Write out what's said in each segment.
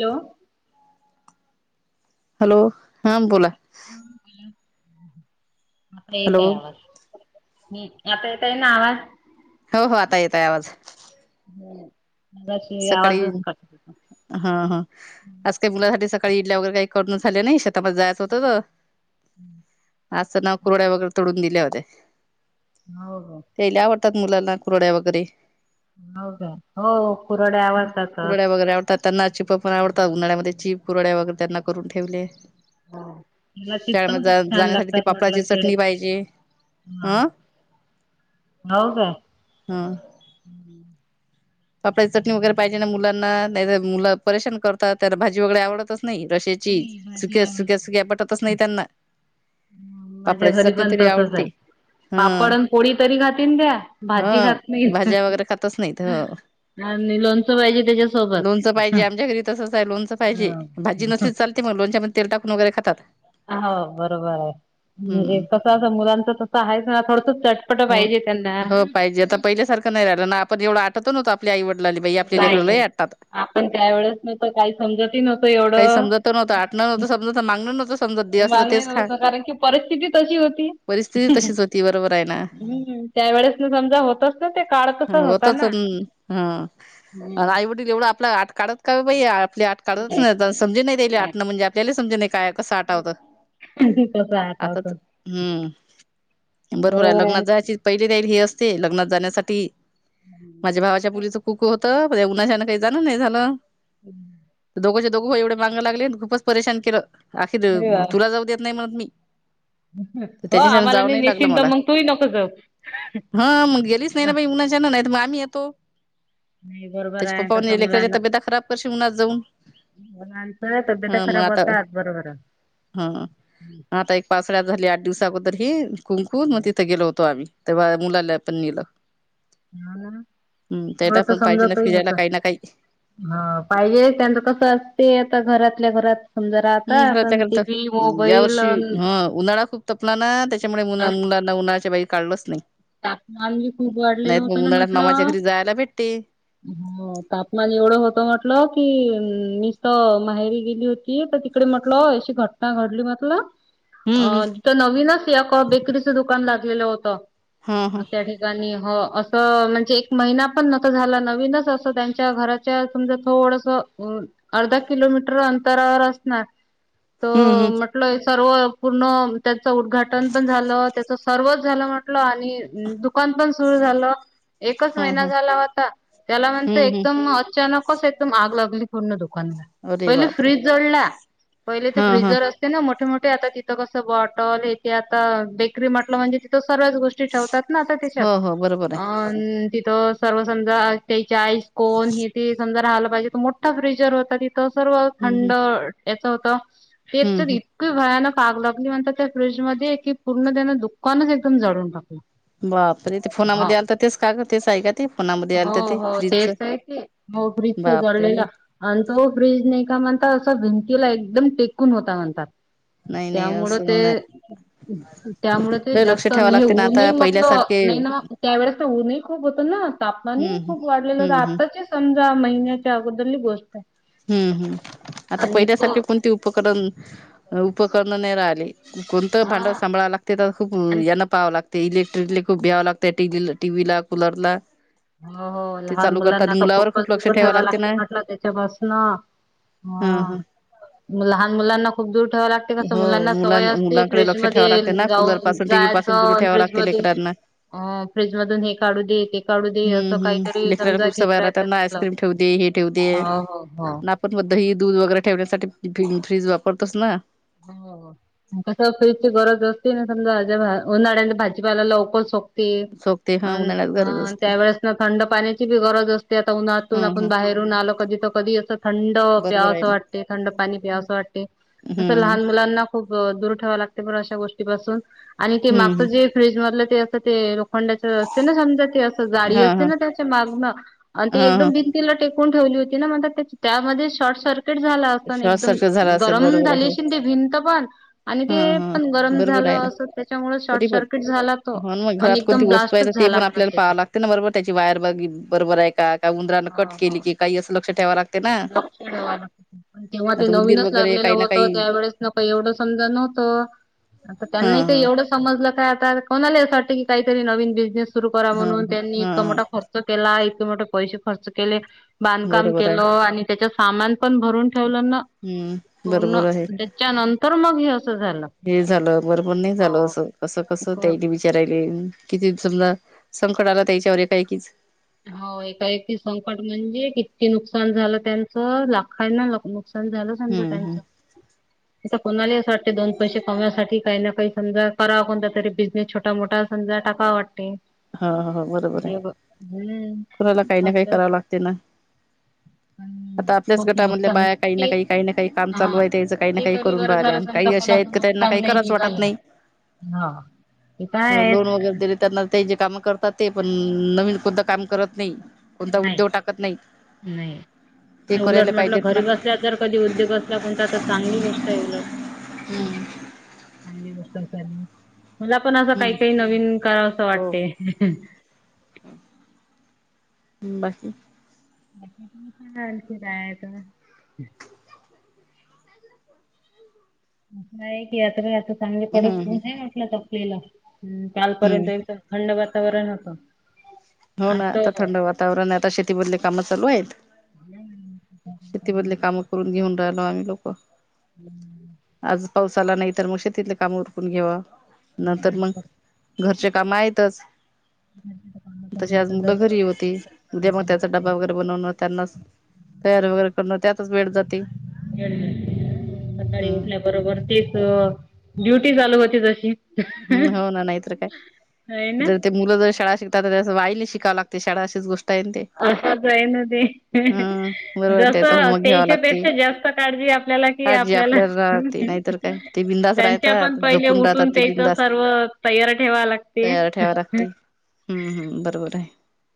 Hello hello हा बोला आता हॅलो येतय आवाज हम्म आता येतय ना आवाज हो हो आता येतोय आवाज हम्म सकाळी हा हा आज काही मुलासाठी सकाळी इडल्या वगैरे काही करून झाल्या नाही शेतामधे जायचं होत हम्म अस नाव कुरड्या वगैरे तोडून दिल्या होत्या हो हो लई आवडतात मुलांना कुरड्या वगैरे हो का हो कुरड्या आवडतातच. पुुरड्या वगैरे आवड तर त्यांना चिप पण आवडतात उन्हाळ्यामध्ये चचीप कुरड्या वगैरे त्यांना करून ठेवले हो. मला चिप्स शाळेमध्ये पण खूप जा छान जाण्यासाठी ते पापळाची चटणी पाहिजे हम अ हो का हा हम आप्याची चटणी वगैरे पाहिजे ना मुलांना नाही तर मुलं परेशान करतात तर भाजी वगैरे आवडत नाही रशेची नाही भाजी सुक्या सुक्या आवडते. सुक्या पटतच नाही त्यांना माझ्या पापडाची घरी चटणी पण तरी तसच आवडते. आहे पापड हं आणि पोळी तरी खातीन द्या भाजी हं खात नाही भाज्या वगैरे खातच नाहीत हो. आणि लोणचं पाहिजे त्याच्यासोबत लोणचं पाहिजे आमच्या घरी तसंच आहे लोणचं पाहिजे भाजी हा. नसलीच चालते मग लोणच्यामध्ये तेल टाकून वगरे खातात हा हो बरोबर आहे हम्म कसं असं मुलांचं तसं आहेच ना थोडस चटपट हो पाहिजे त्यांना हो पाहिजे आता पहिल्यासारखं नाही राहिलं ना आपण एवढ आठवतो ना आपले आई वडिलांनी बाई आपले लेकर लई नाही आटतात आपण त्यावेेळेस नव्हतं काही समजतही नव्हतं काही एवढं. समजत न्हत आठ न्हत समज मागण नवतं माझा नाही भरोसा कारण की परिस्थिती तशी होती परिस्थिती तशीच होती बरोबर आहे ना हम्म त्यावेेळेस ना समजा होतच ना ते काढतस होत हा आईवडील एवढं आपल आट काढत का बाई [inaudible] काढतच नाही समजे नाहीले नाही आठणं म्हणजे आपल्याला समजे नाही काय साठवत कसं आता असं हम्म बरोबर आहे. लग्नात जायची पहिली तयारी ही असते लग्नात जाण्यासाठी. माझ्या भावाच्या कुक होत. पण ह्या उन्हाच्यान काही जाण नाही झाल. हम्म दोघोचे दोघ हो एवढे माग लागले. खूपच परेशान केल. आखिर अरे वा तुला जाऊ देत नाही म्हणत मी. हो त्यांच्याच्यान आम्हाला जाव नाही लागल नेशीन तर मला. मग तूही नको जाऊ. हा मग गेलीच नाही ना बाई उन्हाच्यान, नाही तर मग आम्ही येतो. नाही बरोबर त्याचे आहे पप्पा म्हणले तसं लेकराच्या तब्यता खराब करशील उन्हात जाऊन. उन्हाळीच्या तब्येता ह मग खराब आता होतात बरोबर. हा आता एक पावसाळ्यात झाली आठ दिवसा अगोदर ही कुंन कुंन. मग तिथे गेलो होतो आम्ही. तेव्हा मुलाला पण नेल. [unintelligible] हम्म थोडं त्याला तर पण पाहिजे ना समजतही फिरायला होत काही ना काही. हा पाहिजे त्यांच कस असते आता घरातल्या घरात समजा हम् राहतात. घरातल्या आणि टी घरात व्ही, या मोबाईल वर्षी अन ह उन्हाळा खूप तपला ना, त्याच्यामुळे मु अन मुलांना उन्हाळ्याच्या बाईर काढलच नाही. तापमान बी खूप वाढलेल नाहीत होत मग ना उन्हाळ्यात म्हटल. मामाच्या घरी जायला भेटते हो तापमान एवढ होत म्हटल की निस्त माहेरी गेली होती. ये आता तिकड म्हटल. अशी घटना घडली म्हटल. अ हम्म हम् तिथ नवीनच एक बेकरीच दुकान लागलेल होत हा हा त्या ठिकाणी. हो अस म्हणजे एक महिना पण नव्हता झाला नवीनच अस त्यांच्या घराच्या समजा थोडस अ अर्धा किलोमीटर अंतरावर असणार. त हम्म हम्म म्हटल सर्व पूर्ण त्याच उद्घाटन पण झाल. त्याच सर्वच झाल म्हटल. म्हटल आणि दुक दुकान पण सुरू झाल. एकच हा महिना हा झाला होता. त्याला म्हण हम्म हम्म एकदम अचानक कस एकदम आग लागली पूर्ण दुकानला. अरे पहिले बापरे फ्रीज जळला. पहिले ते हा हा फ्रीजर ना मोठे मोठे आता तिथ कस बॉटल इथे आता बेकरी म्हटल म्हणजे तिथ सर्व्याच गोष्टी ठेवतात ना आता त्याच्यात. हो हो बरोबर अ आहे. तिथ सर्व समजा त्याची आईसकोन हे ते समजा राहाला पाहिजे. तर मोठा फ्रीजर होता तिथ सर्व हम्म थंड याच होत हम्म तेच दिप हम्म इतकी भयानक आग लागली म्हण त्या फ्रीजमध्ये, की पूर्ण त्याने दुकानच एकदम जळून टाकल. बापरे ते फोनामध्ये आलत ते तेच का ग. तेच आहे का ते. फोनामध्ये हो आलत ते हो फ्रीजच. तेच आहे की हो फ्रिजच बापरे जळलेल आणि तो फ्रीज नाही का म्हणता अस भिंतीला एकदम टेकून होता म्हणतात. नाही नाही त्यामुळ असं ते होणार. त्यामुळ ते लय लक्ष जास्त ठेवावं नाही लागते ना आता ऊनही म्हटलं पहिल्यासारखे नाही ना त्या वेळेस तर ऊनही खूप होत ना. तापमान हम्म हम्म खूप वाढलेल होत. हम्म हम्म आत्ताची समजा महिन्याच्या अगोदलली गोष्ट आहे. हम्म हम्म आता आणि पहिल्यासारखे इतकं कोणती उपकरण उपकरण नाही राहिले. कोणत हा भांड सांभाळायला ते तर खूप आणि यांना प पाव लागते. इलेक्ट्रिकला खूप भ्याव लागत. टी टी व्हीला, कुलरला हो हो लहान मुलांना तर खूपच खूप लक्ष दूर ठेवावं ठेवा लागते ना म्हटल त्याच्यापासन. ह हा ह लहान मुलांना खूप दूर ठेवा लागते. कस हो मुलांना मुलां सवय असते मुलांकडे फ्रीज लक्ष ठेवावं मध्ये लागते ना कूलर जाऊन पासून जा टीव्ही पासून दूर ऑन ठेवावं फ्रीज लागते मध्ये लेकरांना फ्रिजमधून हे काढू देे. ते काढु दे. हम्म अस हम्म काहीतरी लेकराला समजा खूप घेत सवय राहायच राहतात ना असल, आईस्क्रीम ठेवू दे हे ठेवू दे हो आणि हो हो आपण मग दही, दूध वगैरे ठेवण्यासाठी फ्रीज वापरतोच ना. हो. कसं फ्रीजची गरज असते ना. समजा, उन्हाळ्याच्या भाजीपाला लवकर सोक ते. सोकते अ हा उन्हाळ्यात गरज असते त्यावेेळेस ना थंड पाण्याची बी गरज असते. आता उन्हातून हम्म आपण हम्म बाहेर, हून आलो कधी त कधी असं थंड बरोबर प्याव आहे असं ना वाटते. थंड पाणी प्याव असं वाटते. असं हम्म लहान मुलांना खूप दूर ठेवाव लागते अशा गोष्टीपासून आणि ते हम्म मागच जे फ्रीज मधलं ते असं ते लोखंडाच असते ना. समजा ते जाडी हा असते हा ना त्याच्या मागन ते हा एकदम हा तिला टेकून ठेवली होती ना. त्यामध्ये शॉर्ट सर किट झाला अस. श्वास एकदम सारखं झाला असेल गरम बरोबर झाली आहे ते भिंत पण आणि हा ते हा पण गरम बरोबर झालं आहे ना असं. त्याच्यामुळे शॉर्ट तरी पण सर्किट झाला तो हो ना, मग आणि घरात एकदम कोणती वस्तू आहे तर ब्लास्टच ते झाला पण म्ह आपल्याला पाहावं लागते ना. बरोबर, त्याची वायर बघ बरोबर आहे काय उंदरां न हा कट केली हा की काही असं लक्ष ठेवाय लागत लक्ष ठेवा ला तेव्हा ते आता उंदीर नवीनच वगैरे लागलेलं काही ना होतं. काही त्यावेळेस नका एवढंच समजा नव्हतं आता हा त्यांना हा काही एवढं समजलं काय आता कोणाला असं वाटंत की काहीतरी नवीन बिझनेस सुरू करा हा म्हणून त्यांनी हा इतका हा मोठा खर्च केला. इतके मोठे पैसे खर्च केले. बांधकाम बरोबर आहे केलो. त्याच्यात सामान पण भरून ठेवल ना हम्म पूर्ण. बरोबर आहे त्यानंतर मग हे असं झालं. हे झालं बरबर नाही झालं असं कस कसं त्या विचार आले. किती समजा संकट आला त्याच्यावर काय किच हो. एकाएकी संकट म्हणजे किती नुकसान झालं. त्यांचं लाखांना नुकसान झालं. छंद हम्म हम्म त्यांच आता कोणालाही असं वाटते दोन पैसे कमवण्यासाठी काही ना काही समजा करा कोणता तरी बिझनेस छोटा मोठा समजा टाकाव वाटते. हा बरोबर आहे. हे ब हम्म कुणाला काही ना काही असं करावं लागते ना. पण आता आपल्याच खूप गटामधल्या नुकसान बाया काही ना ते काही काही ना काही काम चालू हा आहेत. याचं काही ना ते काही तरी करून बरं राहिले झालं आणि समजा काही अशा कोणाचं आहेत त्यांना नुकसान काही नाही करावच वाटत निघालं. नाही. हा ते काय आहेत. लोन वगैरे दिले त्यांना ते जे काम करतात. ते पण नवीन कुठ काम करत नाही. कोणता नाही उद्योग टाकत नाही नाही. ते तर उलट करायला म्हटलं पाहिजेत ना. घरी बसल्या जर कधी उद्योग असला कोणता चांगली गोष्ट आहे उलट हम्म. मला पण असं काही हम्म काही नवीन करावं असं हो वाटते. बाकी खरं की काय. असं आहे की यात्र चांगली हम्म कडक ऊन हम्म आहे. अस म्हटलंत आपल्याला हम्, कालपर्यंत हम्म एकदम थंड वातावरण होतं. हो आज ना. तर आता थंड वातावरण आता शेतीमधली काम चालू आहेत. शेतीमधले कामं करून घेऊन राहिलो आम्ही लोक. हम्म [inaudible] आज पाऊस आला नाही तर, मग शेतीतील काम उरकून घेवा. नंतर मग घरचे काम आहेतच. हम्म [inaudible] तशी आज मुलं घरी होती. उद्या मग काही ना त्याचा डबा काही. वगैरे बनवणं. त्यांना तयारी वगैरे करणं त्यातच वेड जाते. सकाळी हम्म उठल्याबरोबर तेच ड्युटी चालू होती तशी. हम्म हो ना नायतर काय आहे ना जर ते मुलं जर शाळा शिकतात तर त्याच्या सोबत आईले शिकाव लागते शाळा अशीच गोष्ट हाय ते. असंच हाय ना ते हम्म बरोबर आहे, जस त्याचा होमवर्क घ्यावा तेच्या लागते पेक्षा जास्त काळजी आपल्याला काळजी आपल्याला राहते नाहीतर काय ते बिंदास त्यांच्या पण राहतात पहिले झोपून राहतात उठून ते तर बिंदास सर्व तयार ठेवाय लागते. तयार ठेवा लागते हम्म हम्म हम् बरोबर हाय.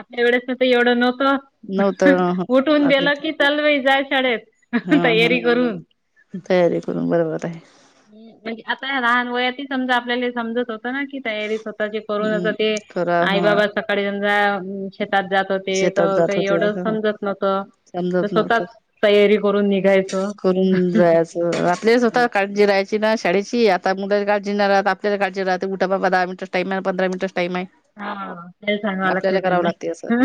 आपल्या वेळेस तस एवढ नव्हतं. नव्हतं उठून आपल्या गेलं इथे की चल रे जाय शाळेत हा हा तयारी करून. तयारी करून बरोबर हाय. हम्म म्हणजे आता या लहान वयात समजा आपल्याला समजत होत ना की तयारी स्वतःची करून हम्म ते करा आई ह बाबा सकाळी समजा शेतात जात होते शेतात तवा जात काय होते एवढं समजत नत त समजत नव्हतं -स्वतःच तयारी करून निघायचं. करून जायचं आपल्या स्वतःला काळजी राह्याची ना शाळेची आता मुला काळजी नाय राहत आपल्याला काळजी राहते उठा बाबा दहा मिनंट ताई मला पंधरा मिनिटं टाइम हाय. हा ते सांगावं लागतय असं त्यांना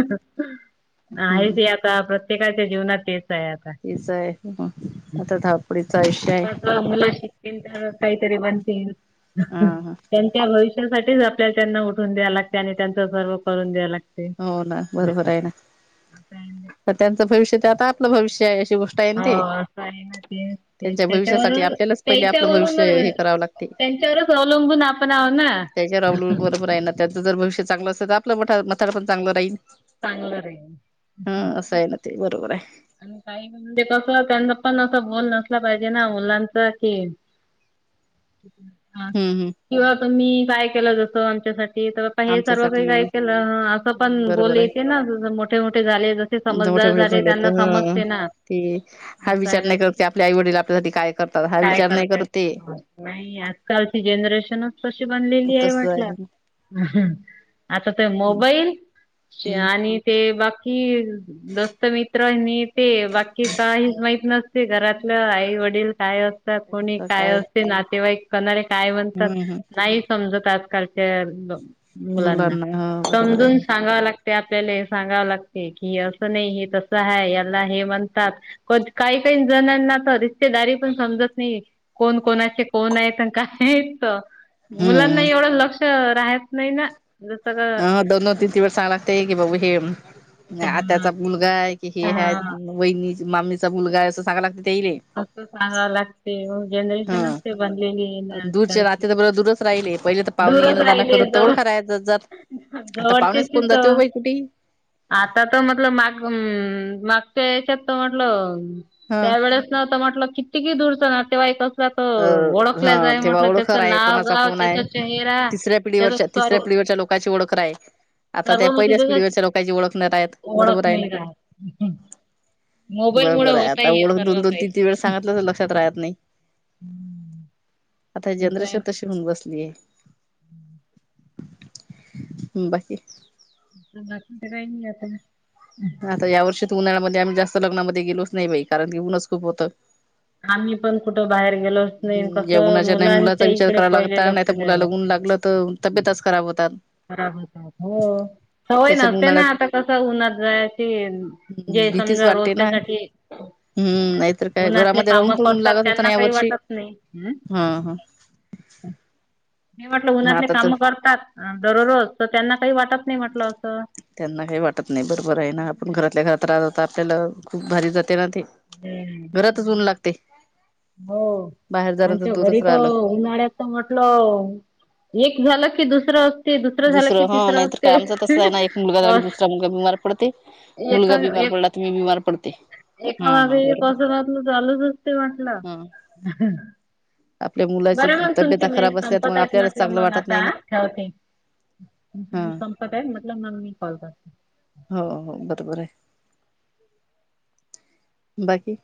नाय हम्म ते आता प्रत्येकाच्या जीवनात तेच आहे आता. तेच हाय आता धावपडीचं आयुष्य हाय. चांगल शिकतील तर कायतरी बनतील हा हा त्यानं त्या भविष्यासाठीच आपल्याला त्यांना उठून द्या लागते आणि त्यांच सर्व करून द्याय लागते. हो ना बरोबर हाय ना आता त्यांचं भविष्य ते आता आपलं भविष्य आहे अशी गो हो असं हाय ना ते ते त्यांच्या भविष्यासाठी त्याच्यावरून आपल्यालाच पहिले आपलं त्याच्यावरून भविष्य हे करावं लागते त्यांच्यावरच अवलंबून आपण आहोत ना. त्याच्यावर अवलंबून बरोबर आहे ना त्याचं जर भविष्य चांगलं असल तर आपलं मठा- म्हातारपण चांगलं राहील. चांगलं राहील. हा असं आहे ना ते बरोबर आहे. आणि काही म्हणजे कसं त्यांना पण असं बोल नसला पाहिजे ना मुलांच की [inaudible] हम् हम्. किंवा तुम्ही काय केलं जसं आमच्यासाठी तर आता हे सर्व काही आमच्यासाठी काय केलं असं पण बरोबर बोले ना अजून जसे मोठे मोठे झाले जसे आहे मोठे समजदार मोठे झाले त्यांना तर ह समजतेना. ते हा विचार नाय करत आपले आई वडील आपल्यासाठी काय करतात हा काय विचार नाय करताय करत ते. नाही आजकालची जनरेशनच तशी बनलेली आय तस म्हटलं. आहे हम्म आता ते मोबाईल च्या हम्म आणि ते बाकी दोस्त मि ते बाकी काहीच माहीत नसते घरातलं आई वडील काय अस त्यात कोणी काय असते नातेवाई कोणाले काय म्हनतात हम्म हम्म नाही समजत आजकालच्या मुलांना. हा बरोबर आहे समजून सांगाव लाग ते आपल्याला सांगावं लागते की हे असं नाय हे तसं हाय याला हे म्हणतात. काही काही जणांना तर रिश्तेदारी पण समजत नाही. कोण कोणाचे कोण आहेत अन् काय आहेत. मुलांना हम्म एवढं लक्ष राहात नाय ना जस अ- दोन -दोन तीन -तीन वेळेस सांगाय लागतेय की बाबू हे आत्याचा मुलगा आय. की हे हाय हा वहिनी मामीचा मुलगा हाय असं सांगाय लागते तेईले. असं सांगाव लागते हा जनरेशनच ते बनलेली ए ना दूरचे आजकालची. नाते तर बरं दूरच राहिले, पहिले तर पावणे दूरच येणं जाण राहिली कर जवळ [unintelligible] आता पाहुणेच कोण जवळच्याचीच जाते हो बाई कुठे? आता त म्हटल माग [unintelligible] मागच्या याच्यात म्हटलं ह त्यावेेळेस ना, आता म्हटलं किती कि दूरचं नातेवाईक अस अ हा ओळखल्या जाई तेव्हा म्हटलं, ओळखर त्याच आहे नाव कोणाचा गाव कोण त्याच आहे तिसऱ्या पिढीवरच्या, तिसऱ्या पिढीवरच्या लोकांची ओळख [unintelligible] आता त्या, सर्व मग पहिल्याच तिथे पिढीवरच्या लोकांची ओळख नाही रहात, ओळख बरोबर आहे ना? नाही राहत. मोबाईल मुळ बरोबर आहे, होतय आता हे ओळख सर्व दोन दोन, काही तीन तीन, वेळा सांगितलं तर लक्षात राहत नाही. [inaudible] आता ही असं आहे जनरेशन तशी होऊन बसलीये. [inaudible] बाकी [unintelligible] काही [unintelligible] आता आता या ह्या वर्षी उन्हाळ्यामध्ये आम्ही जास्त लग्नामध्ये गेलोच नाही बाई, कारण की उनच खूप होतं. आम्ही पण कुठं बाहेर गेलो नाही हम्म कस, जेवणाच्या नाही मुलाचा मुलांच्या विचार इकडे करावा पहिले लागता नाही लक्ष तर द्यायला मुलाला ऊन लागते. लागलं तर तब्येतच खराब होतात. खराब, हो सवय त्याच्यात नसते ना, उन्हाळ्यात आता कसं उन्हात जायची. हम्म जे भीतीच समजा वाटते ना रोजच्यासाठी हम्म नाहीतर काय उन्हातले घरामध्ये काम राहून पण ऊन करतात, लागत होतं त्यांना ना या काही वर्षी वाटत नाही. हा हा. मी म्हटलं ना उन्हातले आता तर काम करतात, दररोज, तर त्यांना काही वाटत नाही म्हटलं असं. त्यांना काही वाटत नाही, बरोबर आहे ना. आपण घरातल्या घरात राहतो, आपल्याला खूप भारी जाते ना ते. घरातच ऊन लागते हो, बाहेर जाण तर आमच्या घरी दूरच तर राहिलं. उन्हाळ्यात तर म्हटलं, एक झालं की दुसरं झालं दुसरं, की हम्म! तिसरं नाही तर असते काय, आमच तसं आहे ना, एक मुलगा झाला की, अस दुसरा मुलगा बीमार पडते, एका मुलगा बीमार एक पडला तर, मी बीमार पडते. एका हा हा मागे एक [unintelligible] बरोबर आपल चालूच असते म्हटलं. हा. आपल्या मुलाची बरं मग तब्यता तुमचे, खराब मिनिट असल्या तर मग संपत येत आपल्यालाच म्हटलं चांगलं मग वाटत नाही आता. ना ठेवते, हा संपत आहेत, म्हटलं मी कॉल करते. हो हो, बरोबर आहे. बाकी?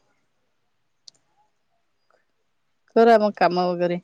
करूया मग काम वगैरे